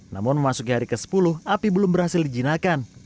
namun memasuki hari ke sepuluh api belum berhasil dijinakan